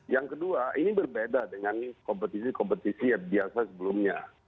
yang kedua ini berbeda dengan kompetisi kompetisi yang biasa sebelumnya